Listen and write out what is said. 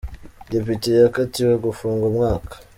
Depite yakatiwe gufungwa umwaka